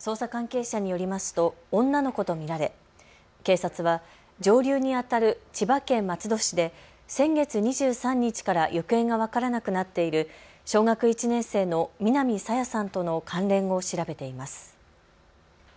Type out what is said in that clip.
捜査関係者によりますと女の子と見られ、警察は上流にあたる千葉県松戸市で先月２３日から行方が分からなくなっている小学１年生の南朝芽さんとの関連を調べています。